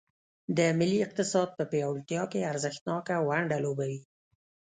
د ملي اقتصاد په پیاوړتیا کې ارزښتناکه ونډه لوبوي.